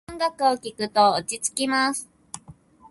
この音楽を聴くと落ち着きます。